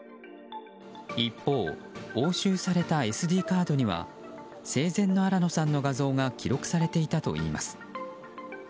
一方、押収されたＳＤカードには生前の新野さんの画像が記録されていたといいます。